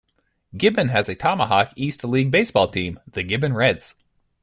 Gibbon has a Tomahawk East League baseball team, the Gibbon Reds.